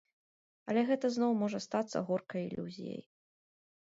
Але гэта зноў можа стацца горкай ілюзіяй.